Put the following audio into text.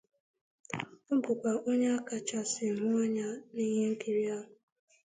Ọ bukwa onye akachasi hụ anya na ihe nkiri ahụ.